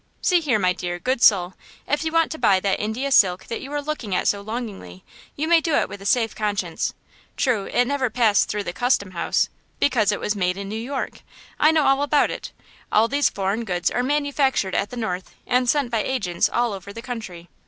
"See here, my dear, good soul, if you want to buy that 'India' silk that you are looking at so longingly, you may do it with a safe conscience! True, it never passed through the custom house–because it was made in New York. I know all about it! All these 'foreign goods' are manufactured at the north and sent by agents all over the country.